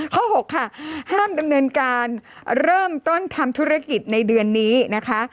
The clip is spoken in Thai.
หกค่ะห้ามดำเนินการเริ่มต้นทำธุรกิจในเดือนนี้นะคะ